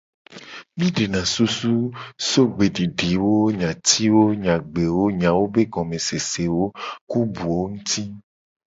Mi dena susu so gbedidiwo, nyatiwo nyagbewo, nyawo be gomesese, ku buwo nguti.